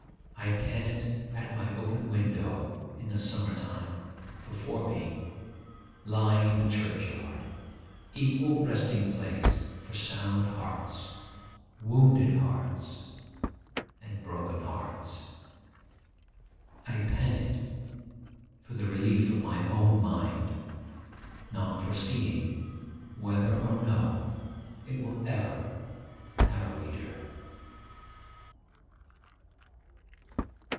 I pen it at my open window in the summer time, before me, lying in the churchyard, equal resting place for sound hearts, wounded hearts, and broken hearts. I pen it for the relief of my own mind, not foreseeing whether or no it will ever have a reader.